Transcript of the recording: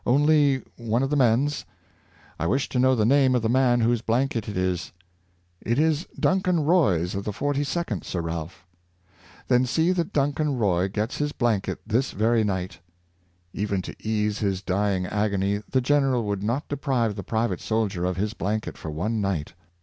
^' Only one of the men's." " I wish to know the name of the man whose blanket it is." " It is Duncan Roy's of the 42d, Sir Ralph." " Then Sydney ai Zutphen, 619 see that Duncan Roy gets his blanket this very night." Even to ease his dying agony the general would not deprive the private soldier of his blanket for one night.